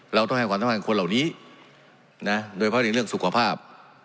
เราต้องให้ความทำงานของคนเหล่านี้นะโดยเวลาเรียกเรื่องสุขภาพ